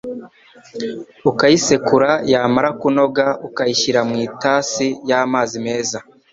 ukayisekura yamara kunoga ukayishyira mu itasi y'amazi meza